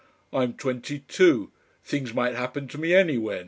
I'm twenty two. Things might happen to me anywhen.